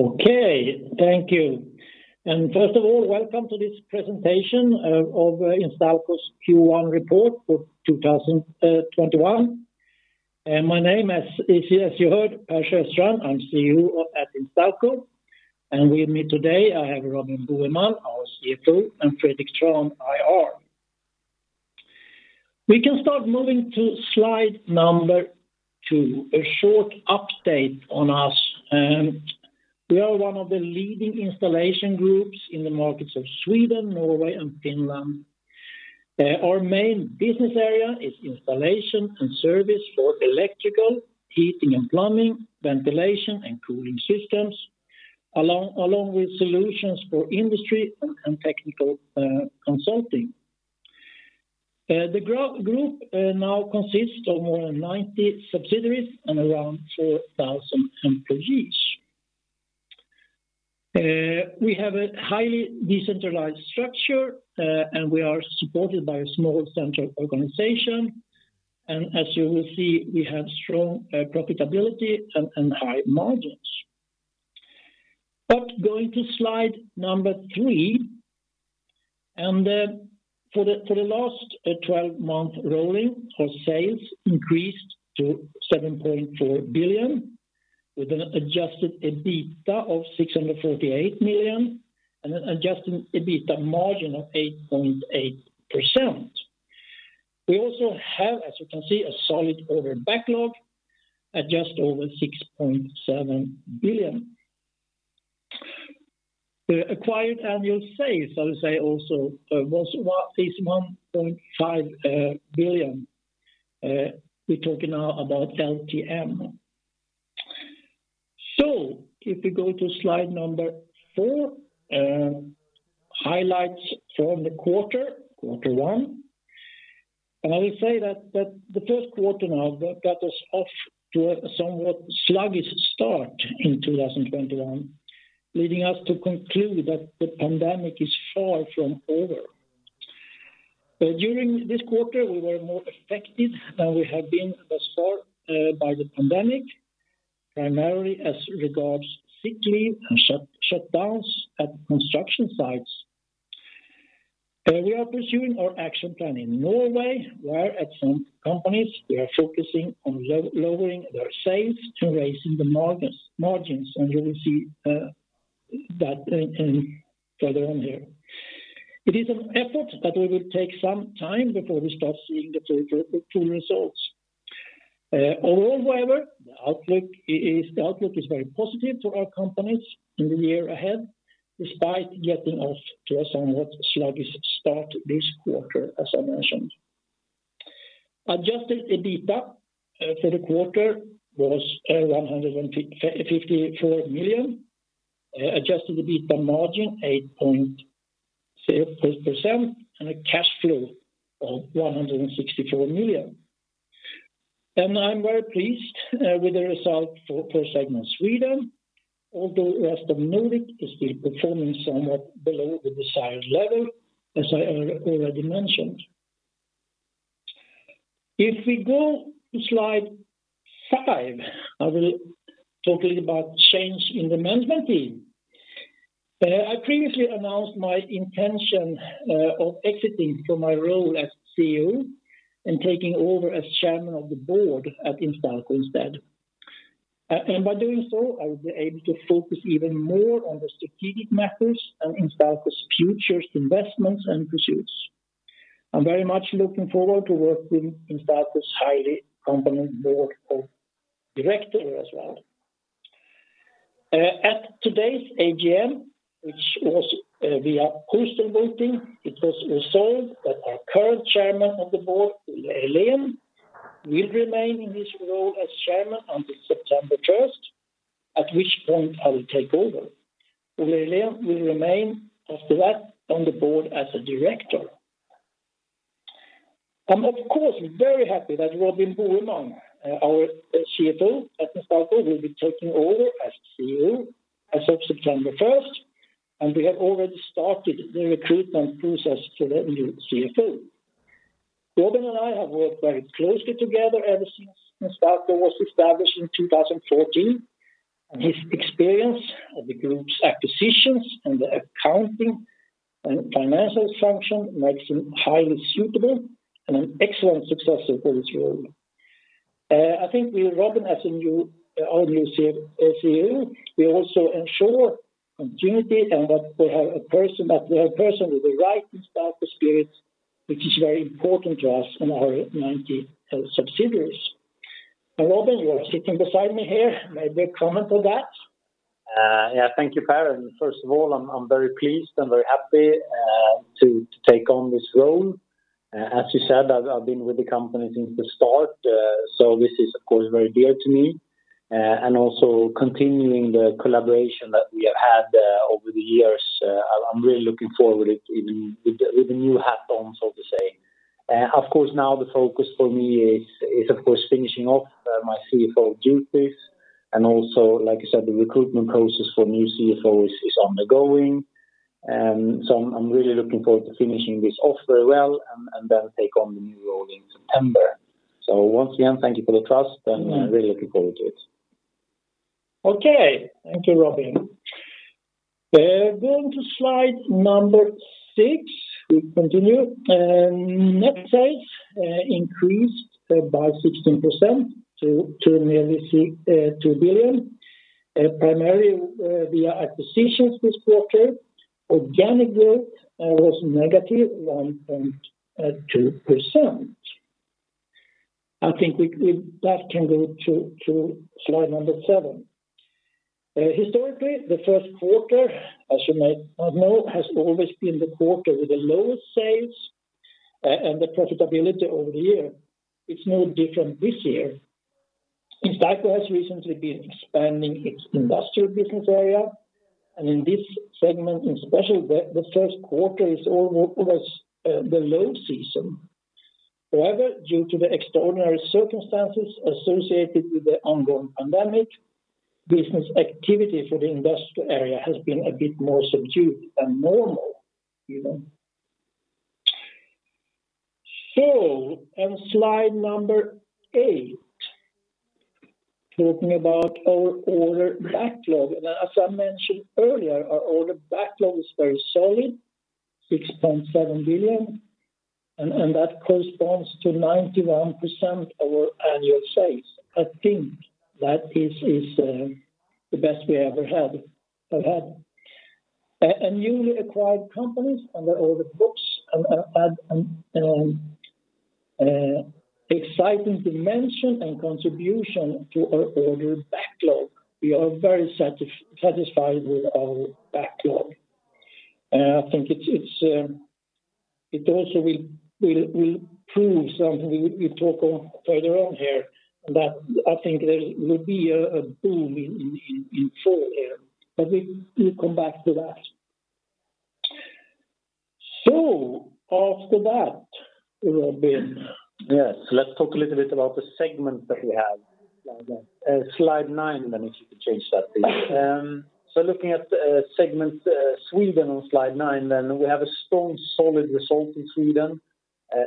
Okay, thank you. First of all, welcome to this presentation of Instalco's Q1 report for 2021. My name is, as you heard, Per Sjöstrand. I'm CEO at Instalco, and with me today I have Robin Boheman, our CFO, and Fredrik Trahn, IR. We can start moving to slide number two, a short update on us. We are one of the leading installation groups in the markets of Sweden, Norway, and Finland. Our main business area is installation and service for electrical, heating and plumbing, ventilation and cooling systems, along with solutions for industry and technical consulting. The group now consists of more than 90 subsidiaries and around 4,000 employees. We have a highly decentralized structure, and we are supported by a small central organization. As you will see, we have strong profitability and high margins. Going to slide number three. For the last 12-month rolling, our sales increased to 7.4 billion, with an adjusted EBITA of 648 million and an adjusted EBITA margin of 8.8%. We also have, as you can see, a solid order backlog at just over 6.7 billion. The acquired annual sales, so to say, also was at least 1.5 billion. We're talking now about LTM. If we go to slide number four, highlights from the quarter one. I will say that the first quarter now got us off to a somewhat sluggish start in 2021, leading us to conclude that the pandemic is far from over. During this quarter, we were more affected than we have been thus far by the pandemic, primarily as regards sick leave and shutdowns at construction sites. We are pursuing our action plan in Norway, where at some companies, we are focusing on lowering their sales to raising the margins, and you will see that further on here. It is an effort that will take some time before we start seeing the true results. Overall, however, the outlook is very positive for our companies in the year ahead, despite getting off to a somewhat sluggish start this quarter, as I mentioned. Adjusted EBITA for the quarter was 154 million, adjusted EBITA margin 8.6%, and a cash flow of 164 million. I'm very pleased with the result for segment Sweden, although rest of Nordic is still performing somewhat below the desired level, as I already mentioned. If we go to slide five, I will talk a little about change in the management team. I previously announced my intention of exiting from my role as CEO and taking over as Chairman of the Board at Instalco instead. By doing so, I will be able to focus even more on the strategic matters and Instalco's future investments and pursuits. I am very much looking forward to working Instalco's highly competent Board of Directors as well. At today's AGM, which was via postal voting, it was resolved that our current Chairman of the Board, Olle Ehrlén, will remain in his role as Chairman until September 1st, at which point I will take over. Olle Ehrlén, will remain after that on the board as a director. I am of course, very happy that Robin Boheman, our CFO at Instalco, will be taking over as CEO as of September 1st, and we have already started the recruitment process for the new CFO. Robin and I have worked very closely together ever since Instalco was established in 2014. His experience of the group's acquisitions and the accounting and financial function makes him highly suitable and an excellent successor for this role. I think with Robin as our new CEO, we also ensure continuity and that we have a person with the right Instalco spirit, which is very important to us and our 90 subsidiaries. Robin, you are sitting beside me here. Maybe a comment on that? Thank you, Per. First of all, I'm very pleased and very happy to take on this role. As you said, I've been with the company since the start, so this is, of course, very dear to me. Continuing the collaboration that we have had over the years, I'm really looking forward with the new hat on, so to say. Of course now the focus for me is, of course, finishing off my CFO duties. Like I said, the recruitment process for new CFO is ongoing. I'm really looking forward to finishing this off very well and then take on the new role in September. Once again, thank you for the trust and I'm really looking forward to it. Okay. Thank you, Robin. Going to slide number six, we continue. Net sales increased by 16% to nearly 2 billion, primarily via acquisitions this quarter. Organic growth was -1.2%. I think that can go to slide number seven. Historically, the first quarter, as you may not know, has always been the quarter with the lowest sales and the profitability over the year. It's no different this year. Instalco has recently been expanding its industrial business area, and in this segment in special, the first quarter is almost the low season. However, due to the extraordinary circumstances associated with the ongoing pandemic, business activity for the industrial area has been a bit more subdued than normal. On slide number eight, talking about our order backlog. As I mentioned earlier, our order backlog is very solid, 6.7 billion, and that corresponds to 91% our annual sales. I think that is the best we have ever had. Our newly acquired companies on the order books add an exciting dimension and contribution to our order backlog. We are very satisfied with our backlog. I think it also will prove something we talk on further on here, that I think there will be a boom in fall here. We'll come back to that. After that, Robin. Yes. Let's talk a little bit about the segment that we have. Slide nine. Slide nine, if you could change that, please. Looking at segment Sweden on slide nine, then we have a strong, solid result in Sweden.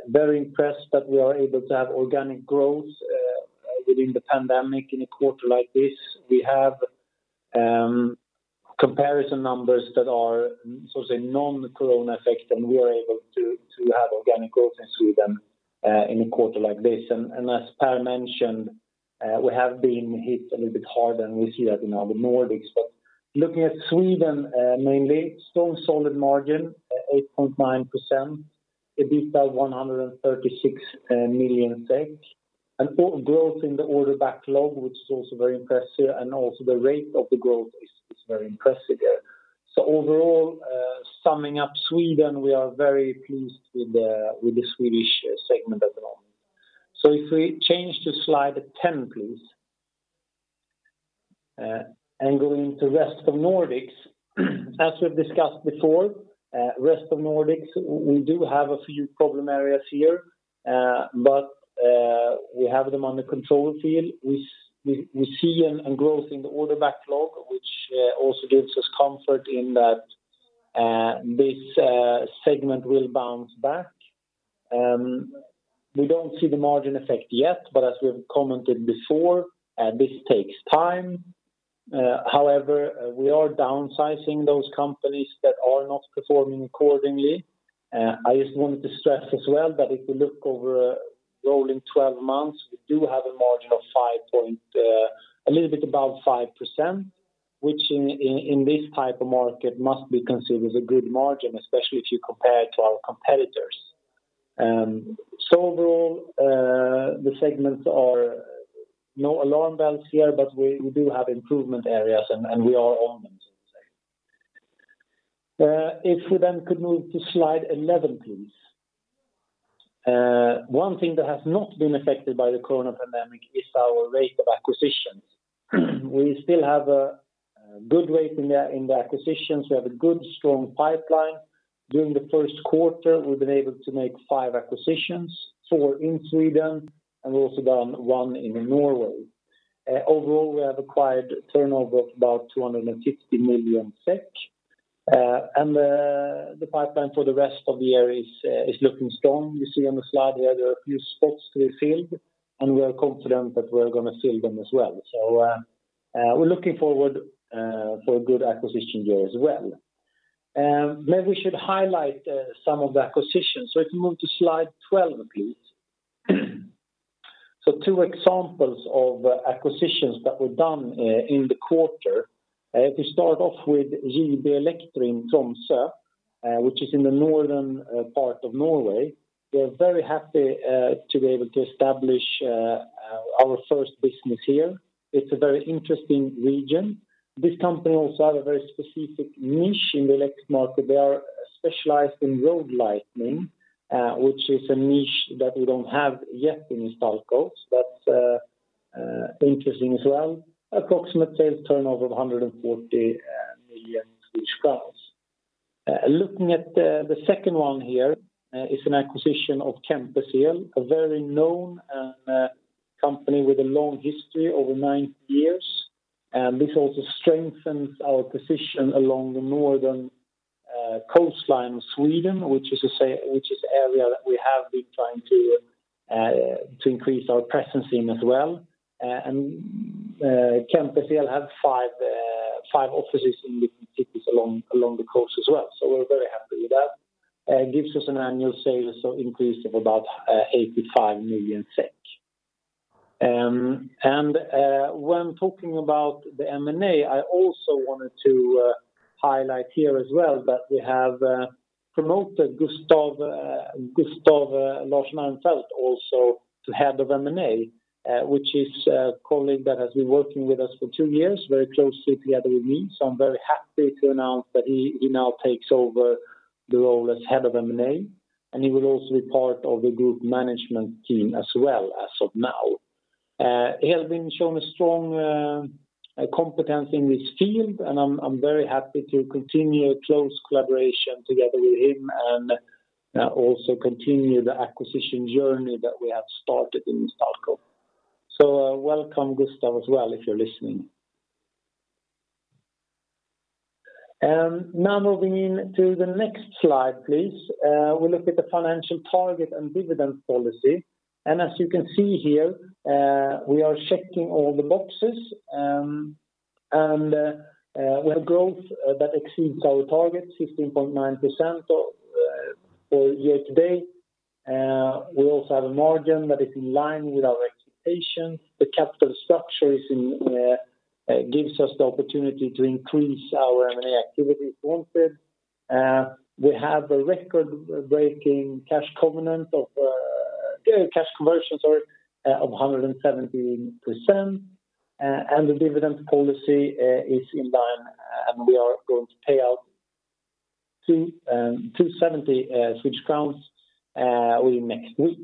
Very impressed that we are able to have organic growth within the pandemic in a quarter like this. We have comparison numbers that are non-corona effect, and we are able to have organic growth in Sweden in a quarter like this. As Per mentioned, we have been hit a little bit harder, and we see that in other Nordics. Looking at Sweden, mainly, strong, solid margin, 8.9%, EBITA 136 million SEK. Growth in the order backlog, which is also very impressive, and also the rate of the growth is very impressive there. Overall, summing up Sweden, we are very pleased with the Swedish segment at the moment. If we change to slide 10, please. Going into rest of Nordics. As we've discussed before, rest of Nordics, we do have a few problem areas here, but we have them under control. We see a growth in the order backlog, which also gives us comfort in that this segment will bounce back. We don't see the margin effect yet, but as we have commented before, this takes time. However, we are downsizing those companies that are not performing accordingly. I just wanted to stress as well that if we look over rolling 12 months, we do have a margin a little bit above 5%, which in this type of market, must be considered a good margin, especially if you compare to our competitors. Overall, the segments are no alarm bells here, but we do have improvement areas, and we are on them. If we could move to slide 11, please. One thing that has not been affected by the corona pandemic is our rate of acquisitions. We still have a good rate in the acquisitions. We have a good, strong pipeline. During the first quarter, we've been able to make five acquisitions, four in Sweden, and we've also done one in Norway. Overall, we have acquired turnover of about 250 million SEK, and the pipeline for the rest of the year is looking strong. You see on the slide there are a few spots to be filled, and we are confident that we are going to fill them as well. We're looking forward for a good acquisition year as well. Maybe we should highlight some of the acquisitions. If you move to slide 12, please. Two examples of acquisitions that were done in the quarter. If we start off with JB Elektro in Tromsø, which is in the northern part of Norway, we are very happy to be able to establish our first business here. It's a very interesting region. This company also has a very specific niche in the electric market. They are specialized in road lighting, which is a niche that we don't have yet in Instalco. That's interesting as well. Approximate sales turnover of 140 million Swedish crowns. Looking at the second one here is an acquisition of Kempes El, a very known company with a long history over 90 years. This also strengthens our position along the northern coastline of Sweden, which is an area that we have been trying to increase our presence in as well. Kempes El have five offices in different cities along the coast as well. We are very happy with that. Gives us an annual sales increase of about 85 million SEK. When talking about the M&A, I also wanted to highlight here as well that we have promoted Gustaf Larsson Ernefelt also to Head of M&A, which is a colleague that has been working with us for two years, very closely together with me. I'm very happy to announce that he now takes over the role as Head of M&A, and he will also be part of the group management team as well as of now. He has been showing a strong competence in this field, and I'm very happy to continue close collaboration together with him and also continue the acquisition journey that we have started in Instalco. Welcome, Gustaf, as well, if you're listening. Moving into the next slide, please. We look at the financial target and dividend policy. As you can see here, we are checking all the boxes. We have growth that exceeds our target, 16.9% for year to date. We also have a margin that is in line with our expectation. The capital structure gives us the opportunity to increase our M&A activity if wanted. We have a record-breaking cash conversion of 117%. The dividend policy is in line, and we are going to pay out SEK 270 next week.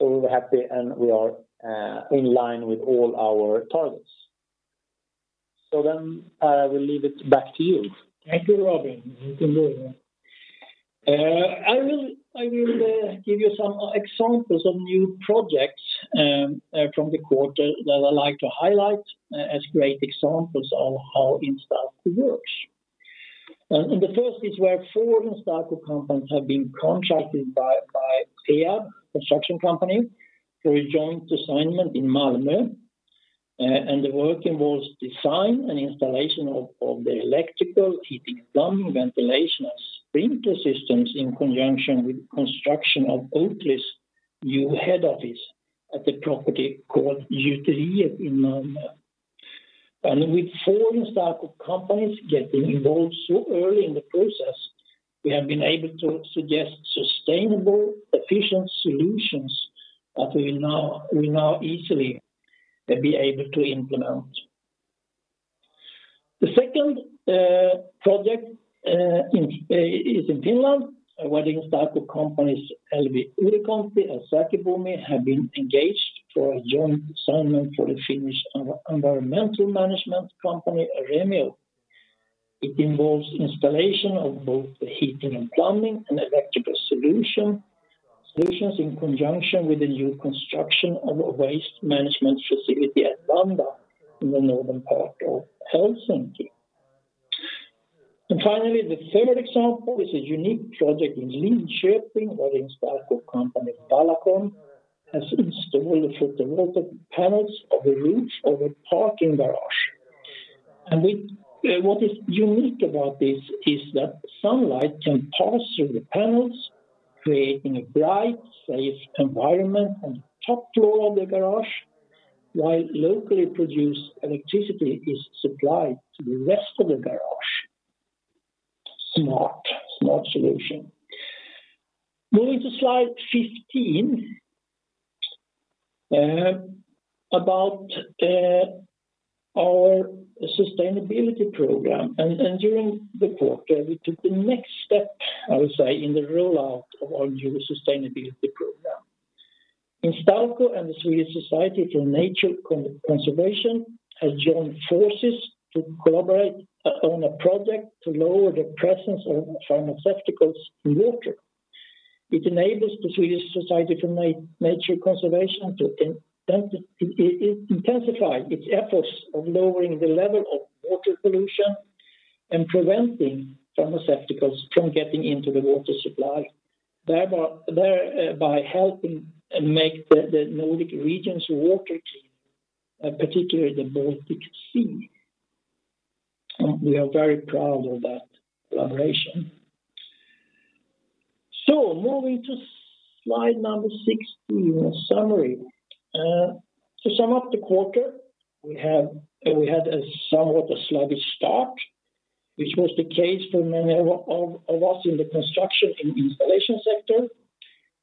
We are happy, and we are in line with all our targets. I will leave it back to you. Thank you, Robin. You can do it here. I will give you some examples of new projects from the quarter that I'd like to highlight as great examples of how Instalco works. The first is where four Instalco companies have been contracted by Peab Construction Company for a joint assignment in Malmö. The work involves design and installation of the electrical, heating, plumbing, ventilation, and sprinkler systems in conjunction with the construction of Oatly's new head office at the property called Gjuteriet in Malmö. With four Instalco companies getting involved so early in the process, we have been able to suggest sustainable, efficient solutions that we will now easily be able to implement. The second project is in Finland, where the Instalco companies, LVI-Ylikonti and Sähkö-Bomi, have been engaged for a joint assignment for the Finnish environmental management company, Remeo. It involves installation of both the heating and plumbing and electrical solutions in conjunction with the new construction of a waste management facility at Vanda in the northern part of Helsinki. Finally, the third example is a unique project in Linköping where the Instalco company, Vallacom, has installed photovoltaic panels on the roof of a parking garage. What is unique about this is that sunlight can pass through the panels, creating a bright, safe environment on the top floor of the garage, while locally produced electricity is supplied to the rest of the garage. Smart solution. Moving to slide 15, about our sustainability program. During the quarter, we took the next step, I would say, in the rollout of our new sustainability program. Instalco and the Swedish Society for Nature Conservation has joined forces to collaborate on a project to lower the presence of pharmaceuticals in water. It enables the Swedish Society for Nature Conservation to intensify its efforts of lowering the level of water pollution and preventing pharmaceuticals from getting into the water supply, thereby helping make the Nordic region's water clean, particularly the Baltic Sea. We are very proud of that collaboration. Moving to slide 16, a summary. To sum up the quarter, we had a somewhat sluggish start, which was the case for many of us in the construction and installation sector.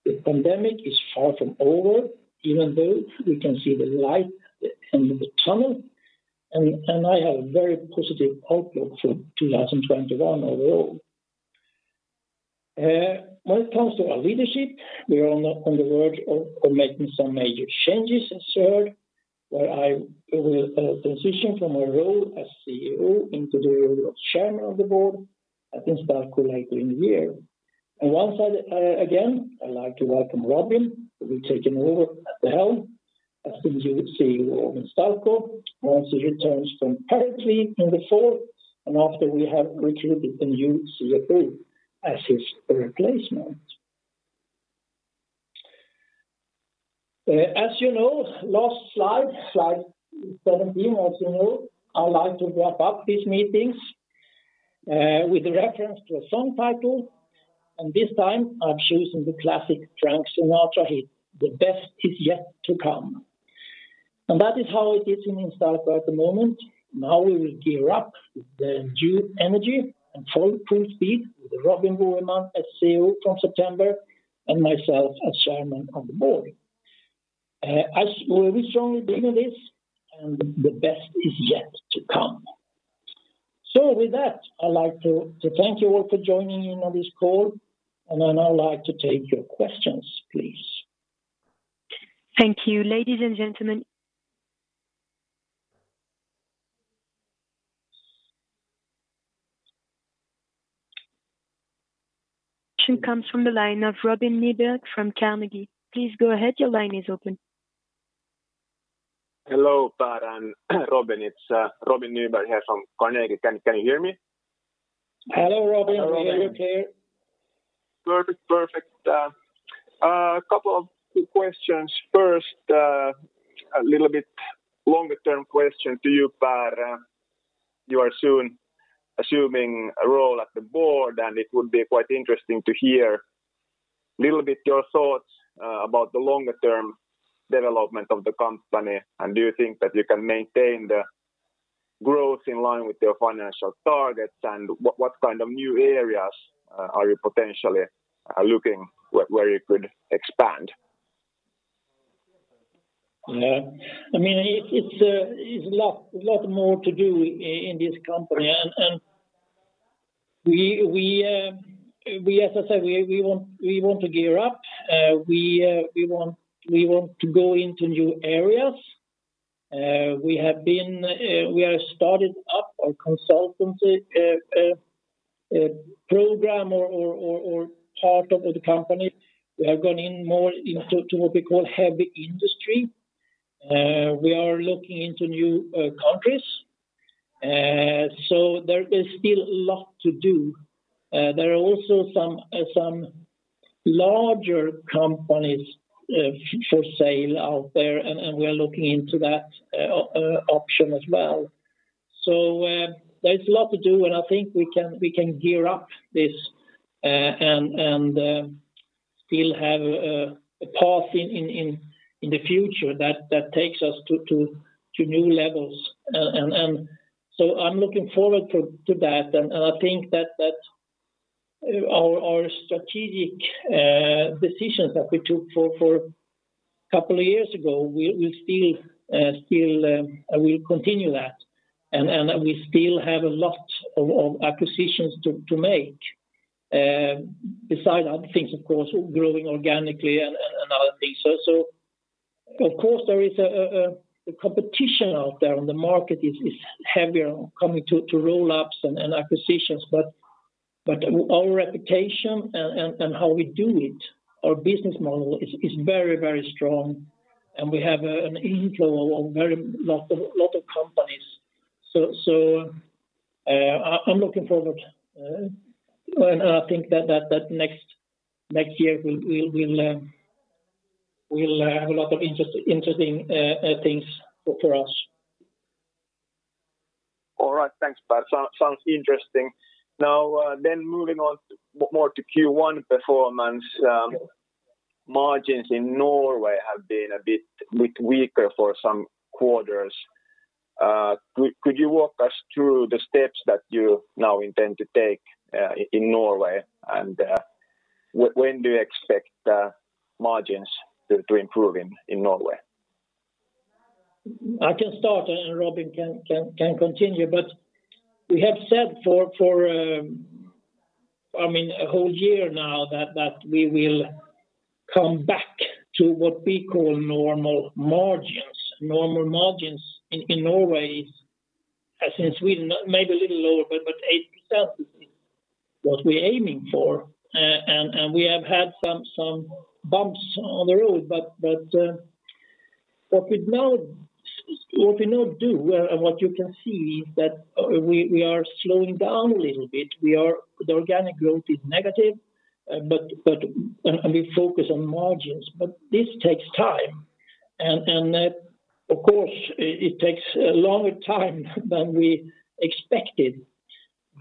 The pandemic is far from over, even though we can see the light at the end of the tunnel. I have a very positive outlook for 2021 overall. When it comes to our leadership, we are on the verge of making some major changes as heard, where I will transition from my role as CEO into the role of chairman of the board at Instalco later in the year. Once again, I'd like to welcome Robin, who will be taking over at the helm. As soon as you see Robin Boheman, once he returns from paternity in the fall, and after we have recruited a new CFO as his replacement. As you know, last slide 17. As you know, I like to wrap up these meetings with a reference to a song title, and this time I've chosen the classic Frank Sinatra hit, "The Best Is Yet To Come." That is how it is in Instalco at the moment. Now we will gear up with the due energy and full speed with Robin Boheman as CEO from September, and myself as chairman on the board. I strongly believe in this, and the best is yet to come. With that, I'd like to thank you all for joining in on this call, and then I'd like to take your questions, please. Thank you. Ladies and gentlemen. Question comes from the line of Robin Nyberg from Carnegie. Please go ahead. Your line is open. Hello, Per and Robin. It's Robin Nyberg here from Carnegie. Can you hear me? Hello, Robin. We hear you clear. Perfect. A couple of questions. First, a little bit longer-term question to you, Per. You are soon assuming a role at the board, and it would be quite interesting to hear a little bit your thoughts about the longer-term development of the company. Do you think that you can maintain the growth in line with your financial targets? What kind of new areas are you potentially looking where you could expand? It's a lot more to do in this company. As I said, we want to gear up. We want to go into new areas. We have started up our consultancy program or part of the company. We have gone in more into what we call heavy industry. We are looking into new countries. There is still a lot to do. There are also some larger companies for sale out there, and we are looking into that option as well. There's a lot to do, and I think we can gear up this and still have a path in the future that takes us to new levels. I'm looking forward to that. I think that our strategic decisions that we took for a couple of years ago, we'll continue that. We still have a lot of acquisitions to make, besides other things, of course, growing organically and other things. Of course, there is competition out there, and the market is heavier coming to roll-ups and acquisitions. Our reputation and how we do it, our business model is very strong, and we have an inflow of a lot of companies. I'm looking forward, and I think that next year we'll have a lot of interesting things for us. All right. Thanks, Per. Sounds interesting. Now, moving on more to Q1 performance. Margins in Norway have been a bit weaker for some quarters. Could you walk us through the steps that you now intend to take in Norway? When do you expect margins to improve in Norway? I can start. Robin can continue. We have said for a whole year now that we will come back to what we call normal margins. Normal margins in Norway is, as in Sweden, maybe a little lower, but 80% is what we're aiming for. We have had some bumps on the road. What we now do, and what you can see, is that we are slowing down a little bit. The organic growth is negative, and we focus on margins. This takes time, and of course, it takes a longer time than we expected.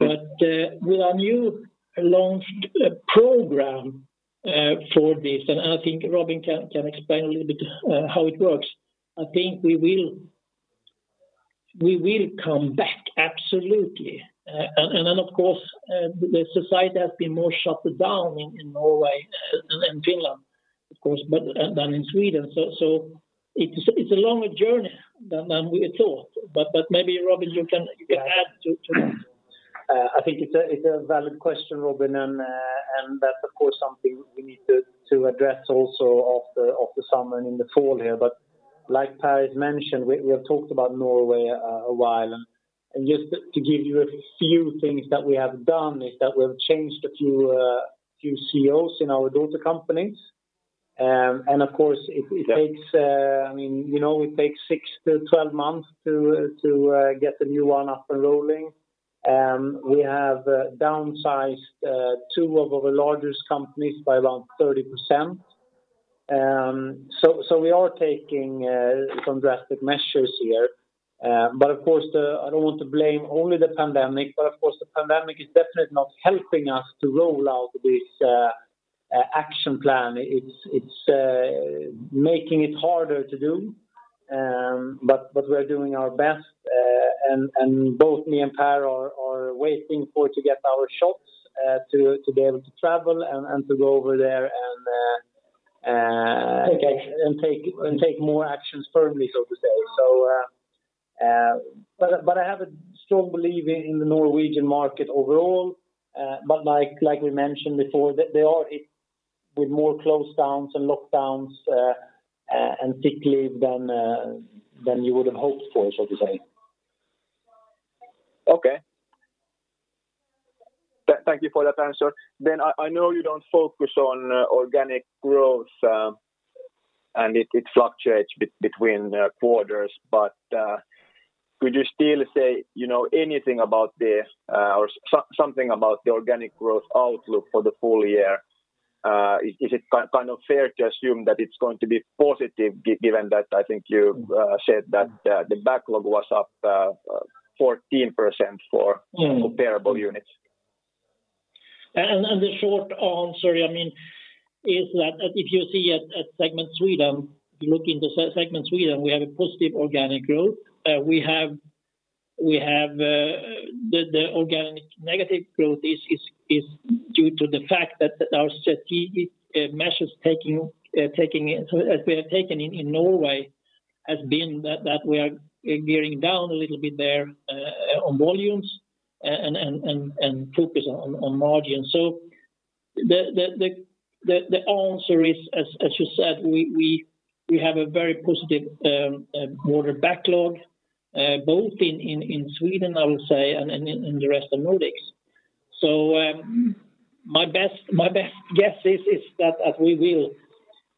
With our new launched program for this, and I think Robin can explain a little bit how it works, I think we will come back absolutely. Then, of course, the society has been more shut down in Norway than Finland, than in Sweden. It's a longer journey than we thought. Maybe Robin, you can add to that. I think it's a valid question, Robin. That's of course something we need to address also after summer and in the fall here. Like Per has mentioned, we have talked about Norway a while. Just to give you a few things that we have done is that we have changed a few CEOs in our daughter companies. Of course it takes six to 12 months to get the new one up and rolling. We have downsized two of our largest companies by around 30%. We are taking some drastic measures here. Of course, I don't want to blame only the pandemic, but of course, the pandemic is definitely not helping us to roll out this action plan. It's making it harder to do, but we're doing our best. Both me and Per are waiting for to get our shots to be able to travel and to go over there. Okay and take more actions firmly, so to say. I have a strong belief in the Norwegian market overall. Like we mentioned before, there are a bit more closedowns and lockdowns and sick leave than you would have hoped for, so to say. Okay. Thank you for that answer. I know you don't focus on organic growth, and it fluctuates between quarters, but could you still say anything about the or something about the organic growth outlook for the full year? Is it kind of fair to assume that it's going to be positive given that I think you said that the backlog was up 14% for comparable units? The short answer is that if you see at segment Sweden, you look into segment Sweden, we have a positive organic growth. The organic negative growth is due to the fact that our strategic measures we have taken in Norway has been that we are gearing down a little bit there on volumes and focus on margin. The answer is, as you said, we have a very positive order backlog both in Sweden, I would say, and in the rest of Nordics. My best guess is that we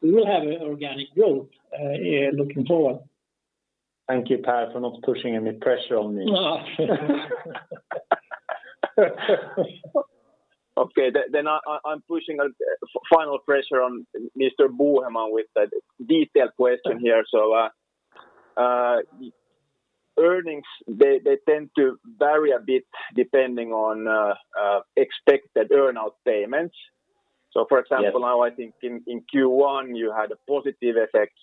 will have organic growth looking forward. Thank you, Per, for not pushing any pressure on me. Okay. I'm pushing a final pressure on Mr. Boheman with a detailed question here. Earnings, they tend to vary a bit depending on expected earn-out payments. For example, now I think in Q1, you had a positive effect.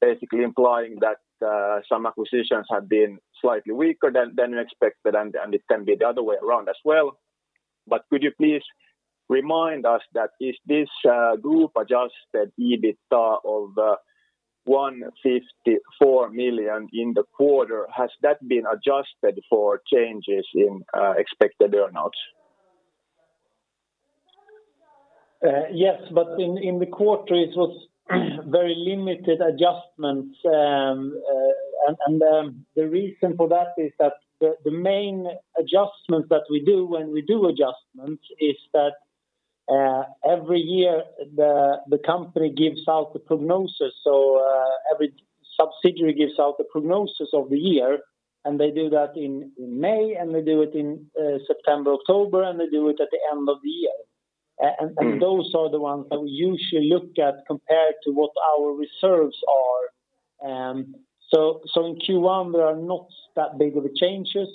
Basically implying that some acquisitions have been slightly weaker than you expected, and it can be the other way around as well. Could you please remind us that is this group adjusted EBIT of 154 million in the quarter, has that been adjusted for changes in expected earn-outs? Yes, in the quarter it was very limited adjustments. The reason for that is that the main adjustment that we do when we do adjustments is that every year the company gives out the prognosis. Every subsidiary gives out the prognosis of the year, they do that in May, they do it in September, October, they do it at the end of the year. Those are the ones that we usually look at compared to what our reserves are. In Q1, there are not that big of a changes,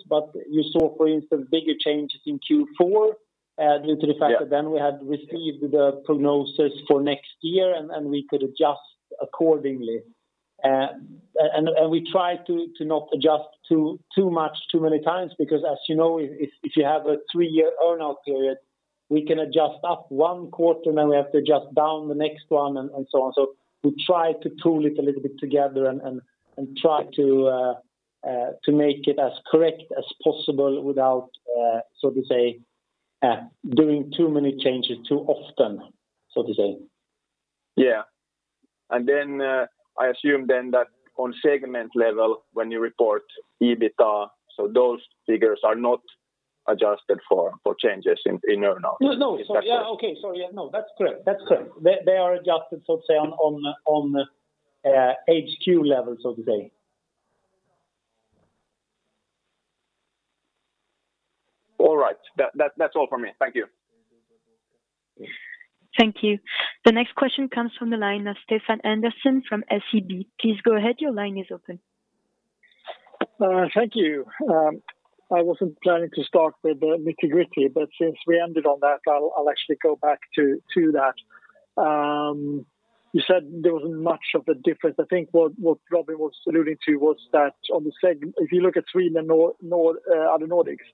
you saw, for instance, bigger changes in Q4 due to the fact that then we had received the prognosis for next year, we could adjust accordingly. We try to not adjust too much too many times because as you know, if you have a 3-year earn-out period, we can adjust up one quarter, and then we have to adjust down the next one, and so on. We try to tool it a little bit together and try to make it as correct as possible without so to say doing too many changes too often, so to say. Yeah. I assume then that on segment level when you report EBIT, so those figures are not adjusted for changes in earn-out. No. Okay. Sorry. No, that's correct. They are adjusted, so to say, on HQ level, so to say. All right. That's all from me. Thank you. Thank you. The next question comes from the line of Stefan Andersson from SEB. Thank you. I wasn't planning to start with the nitty-gritty, but since we ended on that, I'll actually go back to that. You said there wasn't much of a difference. I think what Robin was alluding to was that if you look at Sweden and other Nordics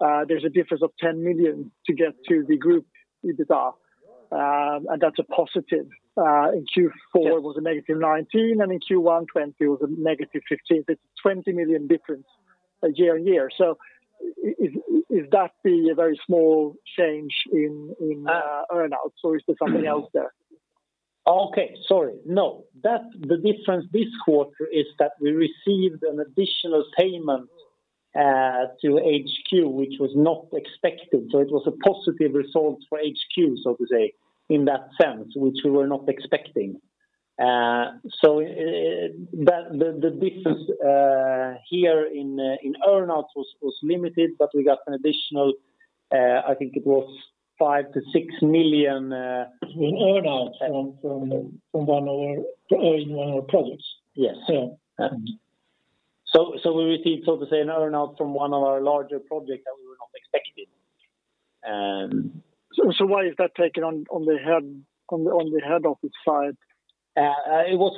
there's a difference of 10 million to get to the group EBIT. That's a positive. In Q4 it was a negative 19 million, in Q1 2020 it was a negative 15 million. That's 20 million difference year-on-year. Is that the very small change in earn-outs or is there something else there? Okay. Sorry. The difference this quarter is that we received an additional payment to HQ, which was not expected. It was a positive result for HQ, so to say, in that sense, which we were not expecting. The difference here in earn-outs was limited, but we got an additional, I think it was five million to six million- In earn-out from one of our projects. Yes. Yeah. We received an earn-out from one of our larger projects that we were not expecting. Why is that taken on the head office side? It was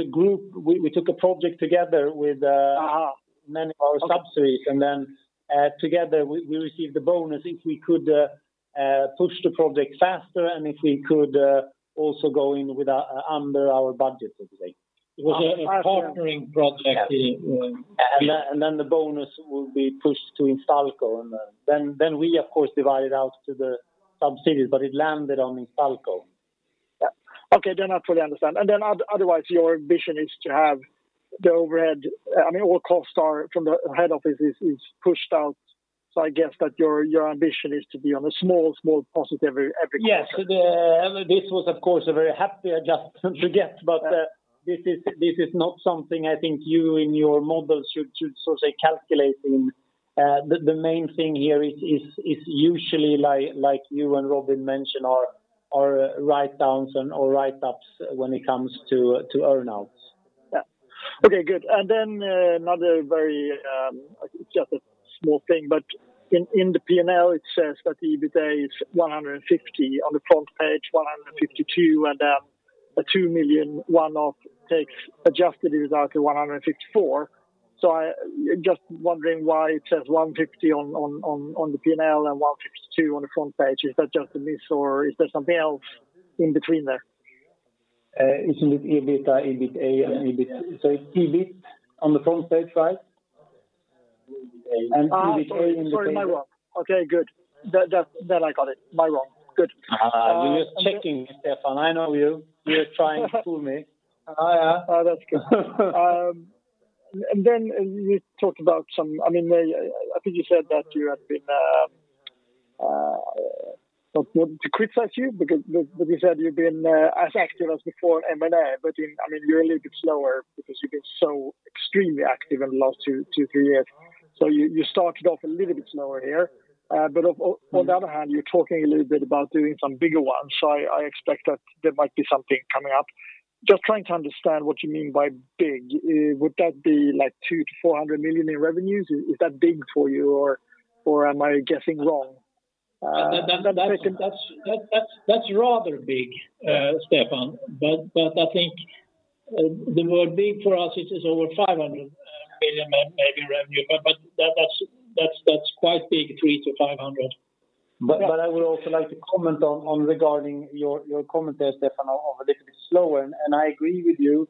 a group. We took a project together with many of our subsidiaries, then together we received a bonus if we could push the project faster and if we could also go in under our budget, so to say. It was a partnering project. Yes. The bonus will be pushed to Instalco, and then we of course divide it out to the subsidiaries, but it landed on Instalco. Yeah. Okay, then I fully understand. Otherwise, your vision is to have the overhead, all costs from the head office is pushed out. I guess that your ambition is to be on a small positive every quarter. Yes. This was of course a very happy adjustment to get. This is not something I think you in your model should calculate. The main thing here is usually, like you and Robin mentioned, are write-downs or write-ups when it comes to earn-outs. Yeah. Okay, good. Another very small thing, but in the P&L it says that the EBITA is 150 on the front page, 152, and then a 2 million one-off takes adjusted EBITA to 154. I'm just wondering why it says 150 on the P&L and 152 on the front page. Is that just a miss or is there something else in between there? Isn't it EBITA and EBIT? EBIT on the front page, right? EBITA in between. Sorry. My wrong. Okay, good. I got it. My wrong. Good. You're just checking, Stefan. I know you. You're trying to fool me. Oh, yeah. Oh, that's good. Then you talked about I think you said that you had been, not to criticize you, because you said you've been as active as before in M&A, but you're a little bit slower because you've been so extremely active in the last two, three years. You started off a little bit slower here. On the other hand, you're talking a little bit about doing some bigger ones. I expect that there might be something coming up. Just trying to understand what you mean by big. Would that be 2 million-400 million in revenues? Is that big for you or am I guessing wrong? That's rather big, Stefan. I think the word big for us, it is over 500 million maybe in revenue. That's quite big, 300 million to 500 million. I would also like to comment regarding your comment there, Stefan, of a little bit slower. I agree with you.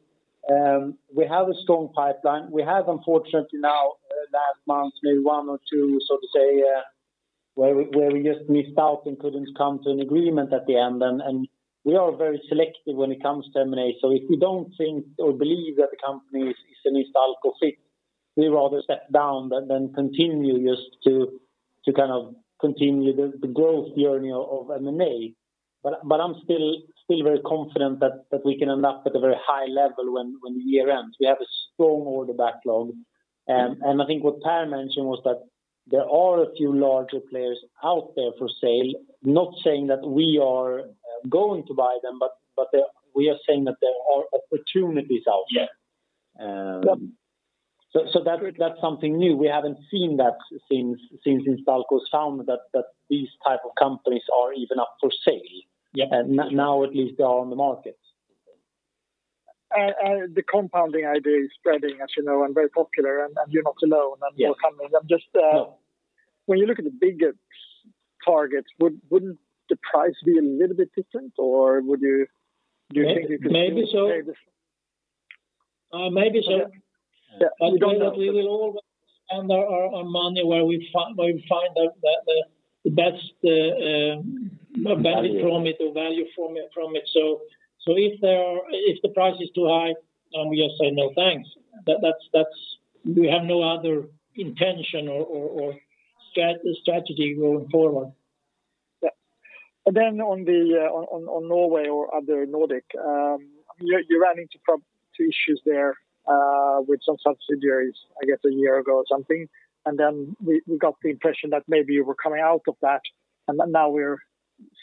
We have a strong pipeline. We have, unfortunately now, last month, maybe one or two, so to say, where we just missed out and couldn't come to an agreement at the end. We are very selective when it comes to M&A. If we don't think or believe that the company is an Instalco fit, we'd rather step down than continue just to continue the growth journey of M&A. I'm still very confident that we can end up at a very high level when the year ends. We have a strong order backlog. I think what Per mentioned was that there are a few larger players out there for sale. Not saying that we are going to buy them, but we are saying that there are opportunities out there. Yeah. That's something new. We haven't seen that since Instalco's found that these type of companies are even up for sale. Yeah. Now at least they are on the market. The compounding idea is spreading, as you know, and very popular, and you're not alone, and more coming. No. When you look at the bigger targets, wouldn't the price be a little bit different, or do you think you could pay the same? Maybe so. We will always spend our money where we find out the best benefit from it or value from it. If the price is too high, then we just say, "No, thanks." We have no other intention or strategy going forward. Yeah. On Norway or other Nordic, you ran into issues there with some subsidiaries, I guess a year ago or something. We got the impression that maybe you were coming out of that. We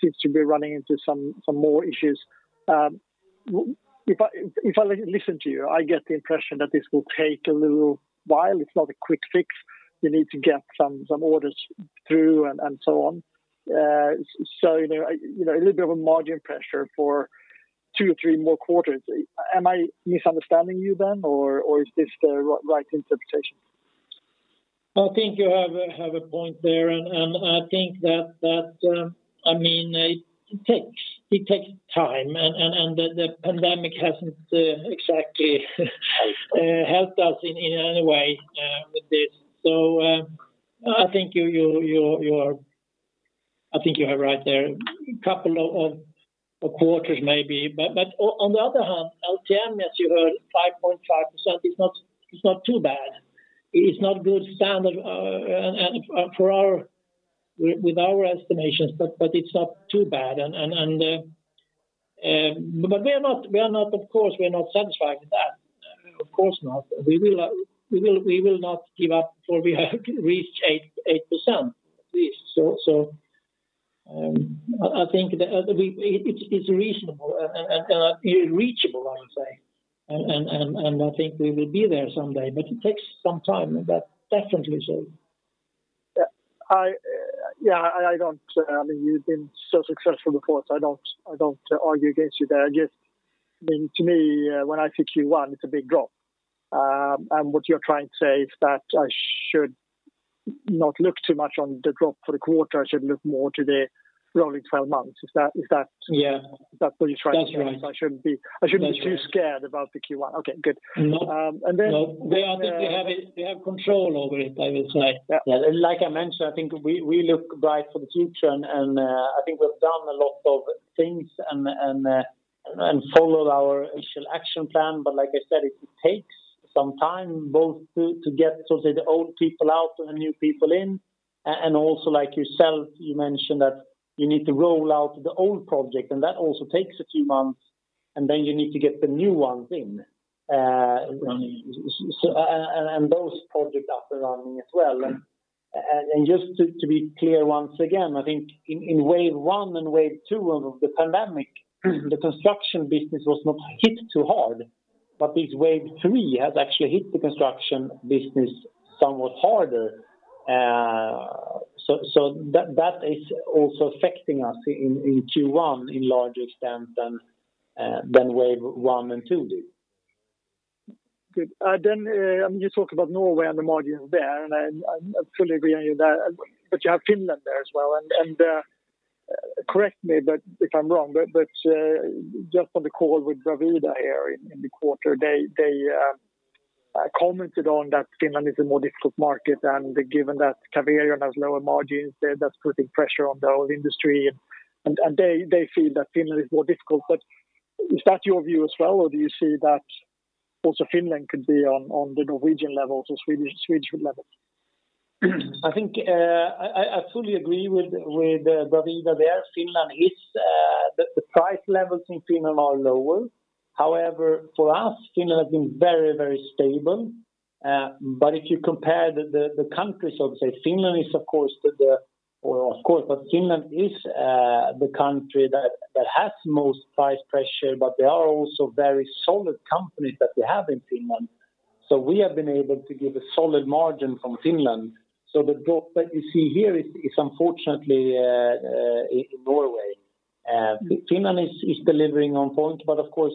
seem to be running into some more issues. If I listen to you, I get the impression that this will take a little while. It's not a quick fix. You need to get some orders through and so on. A little bit of a margin pressure for two or three more quarters. Am I misunderstanding you then, or is this the right interpretation? I think you have a point there. I think that, I mean, it takes time. The pandemic hasn't exactly helped us in any way with this. I think you are right there. A couple of quarters maybe. On the other hand, LTM, as you heard, 5.5% is not too bad. It is not good standard with our estimations, but it's not too bad. We're not, of course, satisfied with that. Of course not. We will not give up till we have reached 8%, at least. I think that it's reasonable and reachable, I would say. I think we will be there someday, but it takes some time. That definitely so. Yeah. You've been so successful before, so I don't argue against you there. Just, to me, when I see Q1, it's a big drop. What you're trying to say is that I should not look too much on the drop for the quarter, I should look more to the rolling 12 months. Is that? Yeah Is that what you're trying to say? That's right. I shouldn't be too scared about the Q1. Okay, good. No. And then- They have control over it, I will say. Yeah. Like I mentioned, I think we look bright for the future, and I think we've done a lot of things and followed our initial action plan. Like I said, it takes some time both to get, so say, the old people out and the new people in, and also like yourself, you mentioned that you need to roll out the old project, and that also takes a few months, and then you need to get the new ones in. Running. Those projects up and running as well. Just to be clear once again, I think in wave one and wave two of the pandemic, the construction business was not hit too hard, but this wave three has actually hit the construction business somewhat harder. That is also affecting us in Q1 in larger extent than wave one and two did. Good. You talk about Norway and the margins there, and I fully agree with you there, you have Finland there as well, and correct me if I'm wrong, but just on the call with Bravida here in the quarter, they commented on that Finland is a more difficult market, and given that Caverion has lower margins there, that's putting pressure on the whole industry, and they feel that Finland is more difficult. Is that your view as well, or do you see that also Finland could be on the Norwegian level or Swedish level? I think I fully agree with Bravida there. The price levels in Finland are lower. However, for us, Finland has been very stable. If you compare the countries, I would say Finland is the country that has most price pressure, but there are also very solid companies that we have in Finland. We have been able to give a solid margin from Finland. The drop that you see here is unfortunately in Norway. Finland is delivering on point, but of course,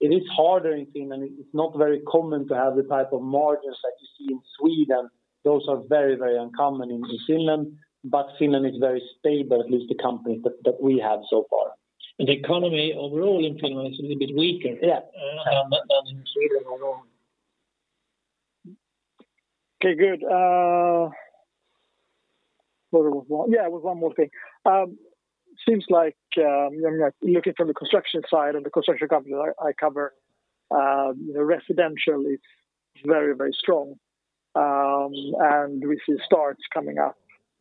it is harder in Finland. It's not very common to have the type of margins that you see in Sweden. Those are very uncommon in Finland, but Finland is very stable, at least the companies that we have so far. The economy overall in Finland is a little bit weaker. Yeah than in Sweden or Norway. Okay, good. There was one more thing. Seems like, looking from the construction side and the construction companies that I cover, residentially it's very strong, and we see starts coming up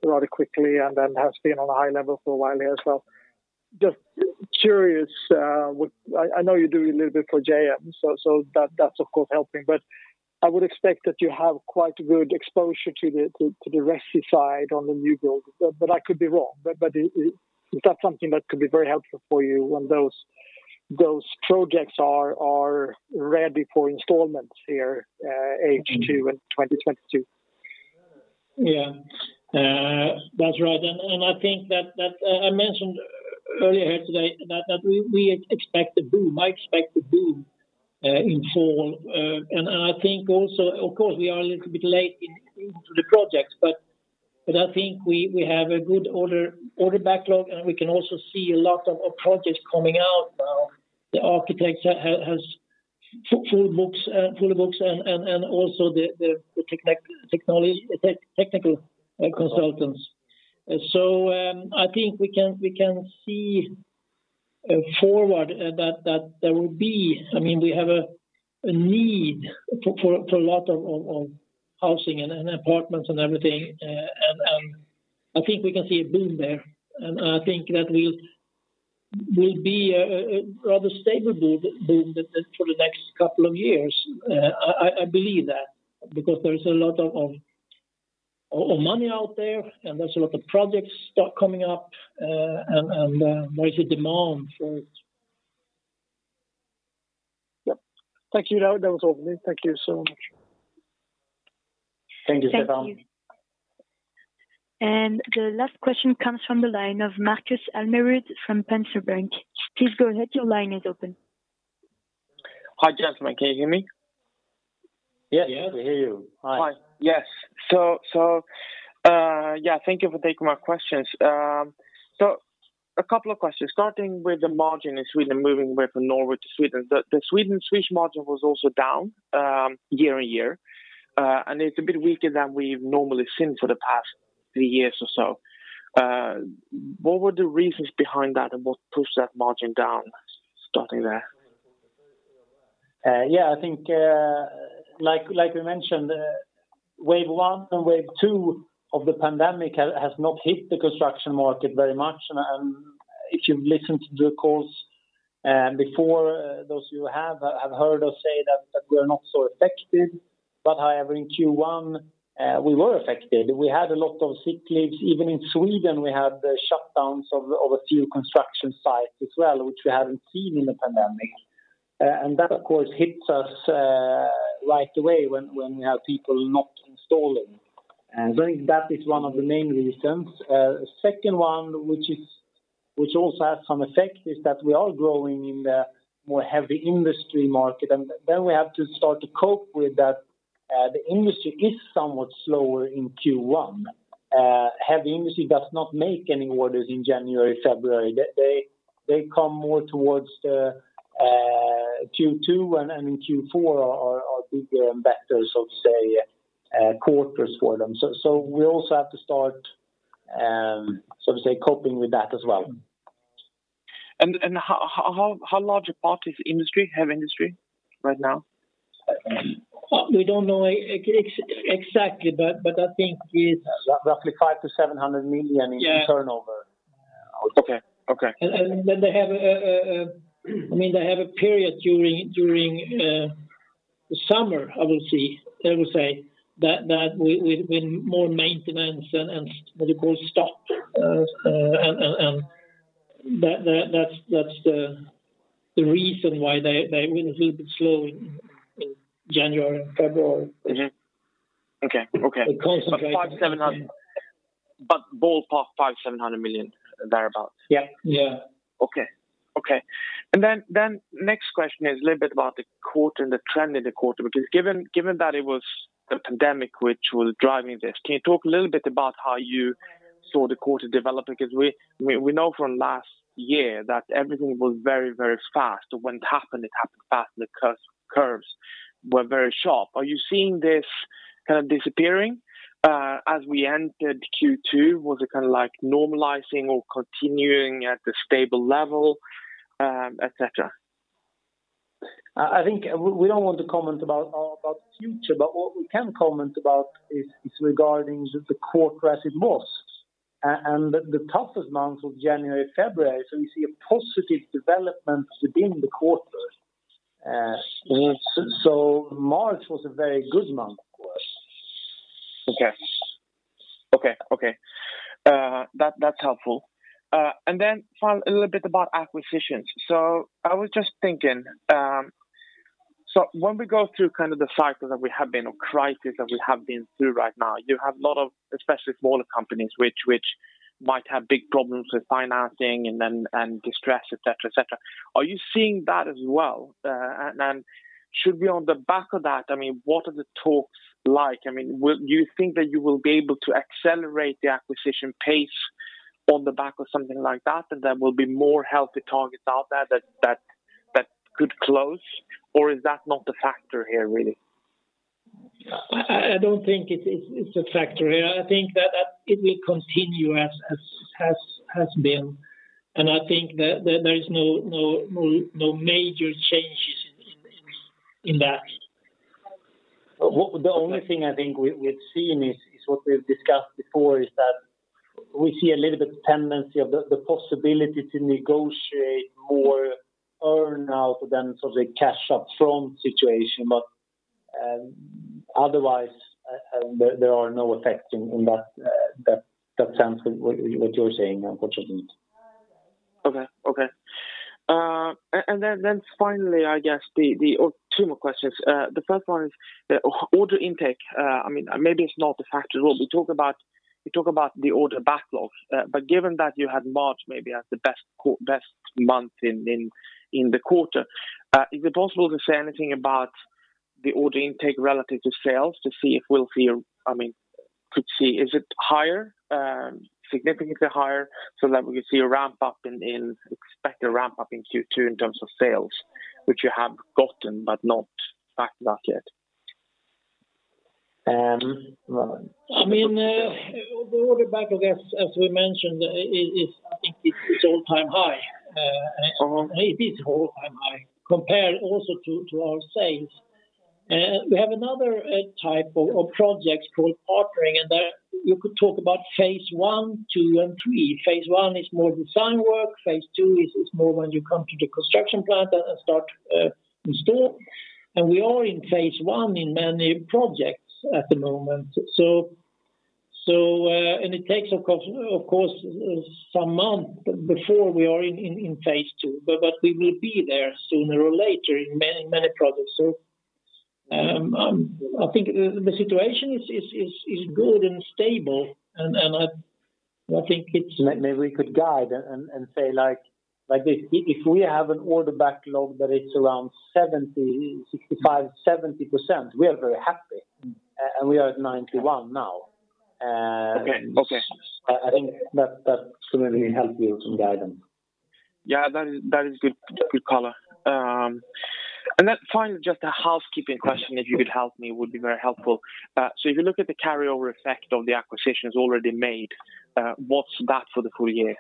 rather quickly and then has been on a high level for a while here as well. Just curious, I know you do a little bit for JM, so that's of course helping, but I would expect that you have quite good exposure to the resi side on the new build, but I could be wrong. Is that something that could be very helpful for you when those projects are ready for installments here H2 in 2022? Yeah. That's right, I think that I mentioned earlier here today that I expect a boom in fall. I think also, of course, we are a little bit late into the projects, but I think we have a good order backlog, and we can also see a lot of projects coming out now. The architect has full books, and also the technical consultants. I think we can see forward that there will be We have a need for a lot of housing and apartments and everything, and I think we can see a boom there. I think that will be a rather stable boom for the next couple of years. I believe that, because there is a lot of money out there, and there's a lot of projects start coming up, and there is a demand for it. Yep. Thank you. That was all for me. Thank you so much. Thank you, Stefan. Thank you. The last question comes from the line of Markus Almerud from Penser Bank. Please go ahead. Your line is open. Hi, gentlemen. Can you hear me? Yes. Yes. We hear you. Hi. Yes. Thank you for taking my questions. A couple of questions, starting with the margin in Sweden, moving away from Norway to Sweden. The Sweden switch margin was also down year-over-year, and it's a bit weaker than we've normally seen for the past three years or so. What were the reasons behind that and what pushed that margin down? Starting there. I think, like we mentioned, wave one and wave two of the pandemic has not hit the construction market very much. If you've listened to the calls before, those of you have heard us say that we are not so affected. However, in Q1, we were affected. We had a lot of sick leaves. Even in Sweden, we had the shutdowns of a few construction sites as well, which we haven't seen in the pandemic. That, of course, hits us right away when we have people not installing. I think that is one of the main reasons. Second one, which also has some effect is that we are growing in the more heavy industry market, and then we have to start to cope with that the industry is somewhat slower in Q1. Heavy industry does not make any orders in January, February. They come more towards the Q2 and Q4 are bigger and better, so to say, quarters for them. We also have to start coping with that as well. How large a part is heavy industry right now? We don't know exactly, but I think roughly 500 million-700 million in turnover. Okay. They have a period during summer, I will say, that with more maintenance and what you call stop. That's the reason why they're a little bit slow in January and February. Okay. They concentrate. ballpark SEK 500 million-SEK 700 million, thereabout? Yeah. Okay. Next question is a little bit about the quarter and the trend in the quarter, given that it was the pandemic which was driving this, can you talk a little bit about how you saw the quarter developing? We know from last year that everything was very, very fast. When it happened, it happened fast. The curves were very sharp. Are you seeing this kind of disappearing? As we entered Q2, was it kind of normalizing or continuing at the stable level, et cetera? I think we don't want to comment about future, what we can comment about is regarding the quarter as it moves, and the toughest months of January, February. We see a positive development within the quarter. March was a very good month for us. Okay. That's helpful. Finally, a little bit about acquisitions. I was just thinking, when we go through the cycle that we have been, or crisis that we have been through right now, you have a lot of especially smaller companies which might have big problems with financing and distress, et cetera. Are you seeing that as well? Should we on the back of that, what are the talks like? Do you think that you will be able to accelerate the acquisition pace on the back of something like that, and there will be more healthy targets out there that could close? Or is that not the factor here, really? I don't think it's a factor here. I think that it will continue as has been, and I think that there is no major changes in that. The only thing I think we've seen is what we've discussed before, is that we see a little bit tendency of the possibility to negotiate more earn out than sort of a cash up front situation. Otherwise, there are no effects in that sense with what you're saying, unfortunately. Okay. Finally, I guess the two more questions. The first one is the order intake. Maybe it's not the factor at all. We talk about the order backlog. Given that you had March maybe as the best month in the quarter, is it possible to say anything about the order intake relative to sales to see if we'll see. Could see, is it higher, significantly higher, so that we could see a ramp-up in expected ramp-up in Q2 in terms of sales, which you have gotten but not backed that yet? The order backlog, as we mentioned, I think it's all-time high. It is all-time high compared also to our sales. We have another type of project called partnering, and you could talk about phase I, II, and III. Phase I is more design work. Phase II is more when you come to the construction plant and start install. We are in phase 1 in many projects at the moment. It takes, of course, some month before we are in phase II, but we will be there sooner or later in many projects. I think the situation is good and stable. Maybe we could guide and say, if we have an order backlog that is around 65%-70%, we are very happy. We are at 91 now. Okay. I think that maybe help you some guidance. Yeah, that is good color. Finally, just a housekeeping question, if you could help me, would be very helpful. If you look at the carryover effect of the acquisitions already made, what's that for the full year?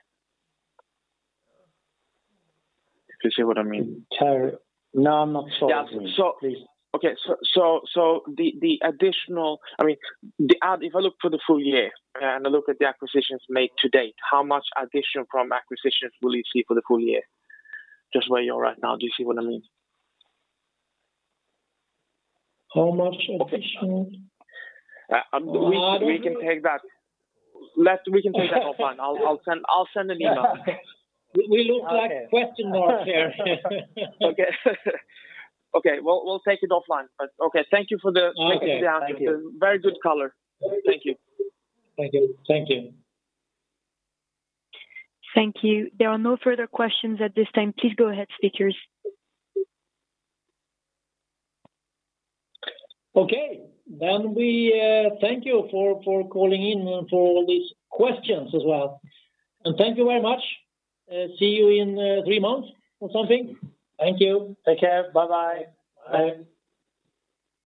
Do you see what I mean? No, I'm not following. Please. Okay. The additional, if I look for the full year and I look at the acquisitions made to date, how much additional from acquisitions will you see for the full year, just where you are right now? Do you see what I mean? How much additional? We can take that offline. I'll send an email. Okay. We look like question marks here. Okay. We'll take it offline. Okay, thank you for the answers. Okay. Thank you. Very good color. Thank you. Thank you. Thank you. Thank you. There are no further questions at this time. Please go ahead, speakers. Okay. We thank you for calling in and for all these questions as well. Thank you very much. See you in three months or something. Thank you. Take care. Bye-bye. Bye.